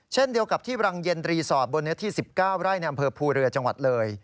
เช่นเดียวกับที่รังเย็นรีสอร์ทบนเนื้อที่๑๙ไร่ในอำเภอภูเรือจังหวัดเลย